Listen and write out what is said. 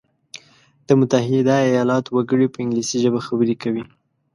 د متحده ایلاتو وګړي په انګلیسي ژبه خبري کوي.